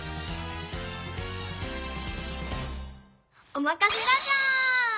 おまかせラジャー！